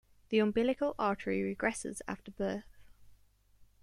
The umbilical artery regresses after birth.